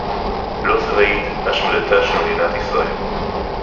לא צבאית - השמדתה של מדינת ישראל